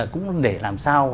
cũng để làm sao